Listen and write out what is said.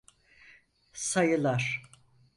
Sayılar…